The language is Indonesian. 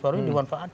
baru ini dimanfaatkan